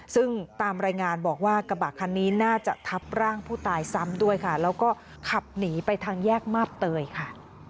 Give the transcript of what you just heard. ซึ่งตามรายงานบอกว่ากระบะคันนี้น่าจะทับร่างผู้ตายซ้ำด้วยค่ะแล้วก็ขับหนีไปทางแยกมาบเตยค่ะ